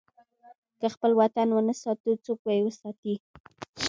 که خپل وطن ونه ساتو، څوک به یې وساتي؟